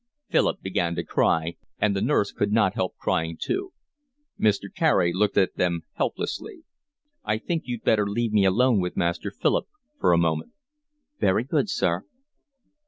Philip began to cry, and the nurse could not help crying too. Mr. Carey looked at them helplessly. "I think you'd better leave me alone with Master Philip for a moment." "Very good, sir."